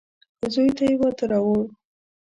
زوی ته يې واده راووړ.